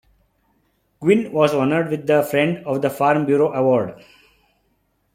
Quinn was honored with the Friend of the Farm Bureau Award.